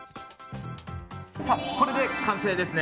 これで完成ですね。